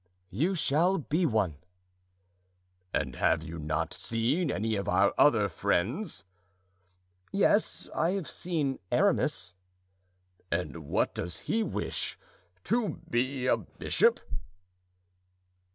"You shall be one." "And have you not seen any of our other friends?" "Yes, I have seen Aramis." "And what does he wish? To be a bishop?"